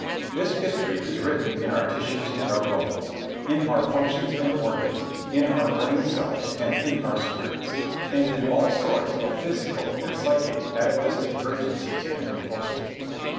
This history is written in our tissues and our bones, in our functions and our organs, in our brain cells and in our spirits, and in all sorts of physical and psychic atavistic urgencies and compulsions.